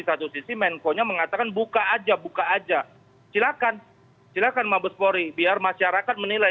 satu sisi menko nya mengatakan buka aja buka aja silakan silakan mabespori biar masyarakat menilai